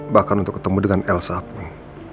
bahkan untuk ketemu dengan elsa pun